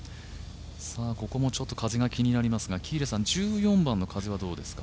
ここも風が気になりますが１４番の風はどうですか？